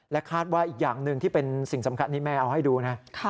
คาดว่าอีกอย่างหนึ่งที่เป็นสิ่งสำคัญที่แม่เอาให้ดูนะ